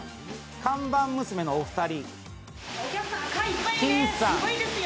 看板娘のお二人。